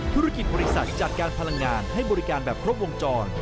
ธุรกิจบริษัทจัดการพลังงานให้บริการแบบครบวงจร